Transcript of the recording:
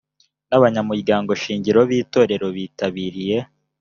n abanyamuryango shingiro b itorrero bitabiriye